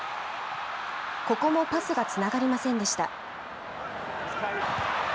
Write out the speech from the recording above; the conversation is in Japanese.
ここもパスがつながりませんでした。